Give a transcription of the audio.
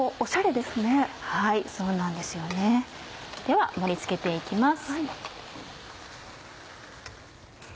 では盛り付けて行きます。